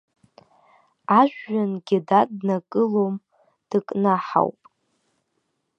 Ажәҩангьы даднакылом, дыкнаҳуап.